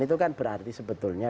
itu kan berarti sebetulnya